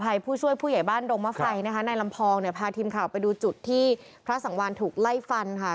วันนี้ผู้ช่วยผู้ใหญ่บ้านโรงมะไฟในลำพองพาทีมข่าวไปดูจุดที่พระสังวานถูกไล่ฟันค่ะ